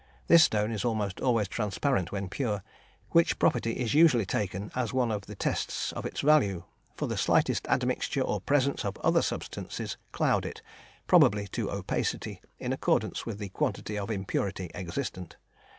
This stone is almost always transparent when pure, which property is usually taken as one of the tests of its value, for the slightest admixture or presence of other substances cloud it, probably to opacity, in accordance with the quantity of impurity existent.